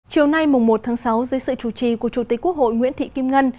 chiều nay một tháng sáu dưới sự chủ trì của chủ tịch quốc hội nguyễn thị kim ngân